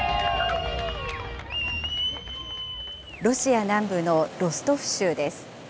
ロシア南部のロストフ州です。